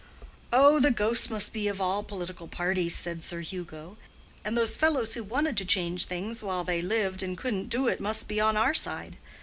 "Oh, the ghosts must be of all political parties," said Sir Hugo. "And those fellows who wanted to change things while they lived and couldn't do it must be on our side.